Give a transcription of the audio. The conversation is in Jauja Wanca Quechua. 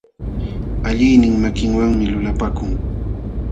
Alliqnin makinwanmi lulapakun.